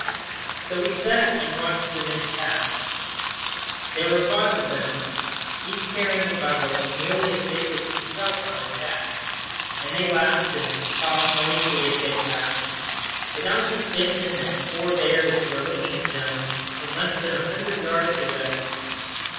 So we sat and watched the men pass. There were five of them, each carrying a bundle nearly as big as himself on his back, and they laughed and talked noisily as they passed, without a suspicion that four bears were looking at them from less than a hundred yards away.